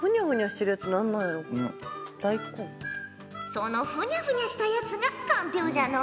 そのふにゃふにゃしたやつがかんぴょうじゃのう。